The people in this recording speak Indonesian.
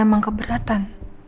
atau emang keberatan